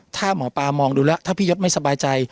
ถ้าหมอปลามองดูแล้วถ้าพี่ยศไม่สบายใจ